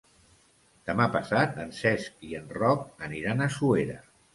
Demà passat en Cesc i en Roc aniran a Suera.